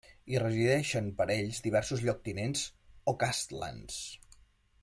Hi resideixen per ells diversos lloctinents o castlans.